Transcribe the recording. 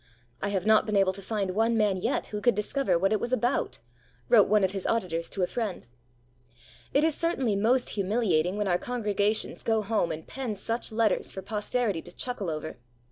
'I have not been able to find one man yet who could discover what it was about,' wrote one of his auditors to a friend. It is certainly most humiliating when our congregations go home and pen such letters for posterity to chuckle over.